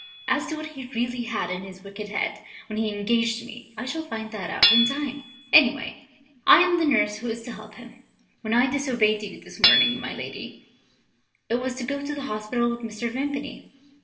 "As to what he really had in his wicked head when he engaged me, I shall find that out in time. Anyway, I am the nurse who is to help him. When I disobeyed you this morning, my lady, it was to go to the hospital with Mr. Vimpany.